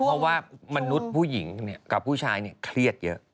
เพราะว่ามนุษย์ผู้หญิงกับผู้ชายเครียดเยอะ